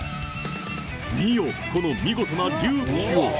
見よ、この見事な隆起を。